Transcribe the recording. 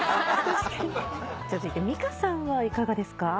続いてミカさんはいかがですか？